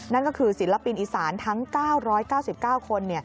นั่นก็คือศิลปินอีสานทั้ง๙๙๙คน